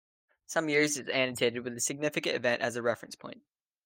Some years is annotated with a significant event as a reference point.